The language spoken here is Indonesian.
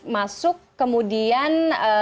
tiga belas masuk kemudian